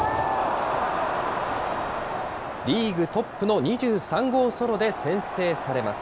リーグトップの２３号ソロで先制されます。